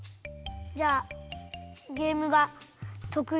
じゃあ「ゲームがとくい」。